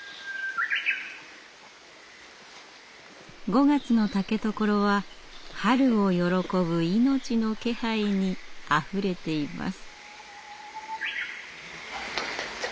５月の竹所は春を喜ぶ命の気配にあふれています。